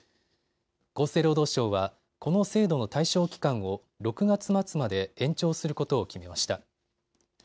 厚生労働省は、この制度の対象期間を６月末まで延長することを決めました。